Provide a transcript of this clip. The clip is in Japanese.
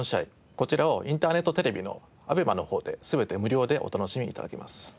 こちらをインターネットテレビのＡＢＥＭＡの方で全て無料でお楽しみ頂けます。